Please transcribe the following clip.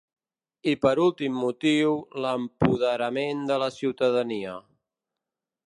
I per últim motiu, l’empoderament de la ciutadania.